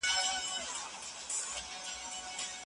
علم ډیر پرمختګ وکړ.